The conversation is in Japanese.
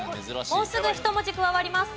もうすぐ１文字加わります。